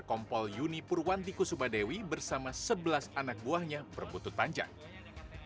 kompol yuni purwanti kusubadewi bersama sebelas anak buahnya berputut panjang